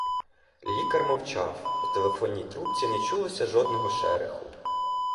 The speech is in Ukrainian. Лікар мовчав: у телефонній трубці не чулося жодного шереху.